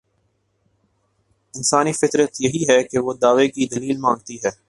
انسانی فطرت یہی ہے کہ وہ دعوے کی دلیل مانگتی ہے۔